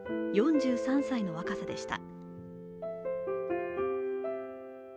４３歳の若さでした。